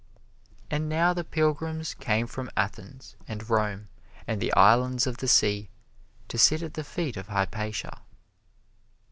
And now the pilgrims came from Athens, and Rome, and the Islands of the Sea to sit at the feet of Hypatia.